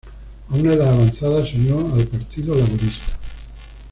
A una edad avanzada se unió al Partido Laborista.